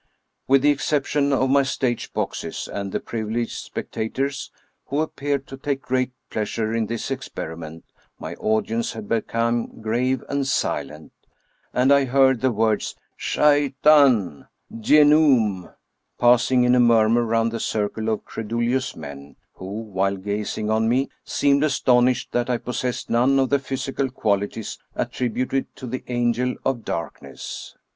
With the exception of my stage boxes and the privileged spectators who appeared to take great pleasure in this ex periment, my audience had become grave and silent, and I heard the words " Shaitan !"" Djenoum !" passing in Af . Robert'Houdin a mumiur round the circle of credulous men, who, while gazing on me, seemed astonished that I possessed none of the physical qualities attributed to the angel of darkness.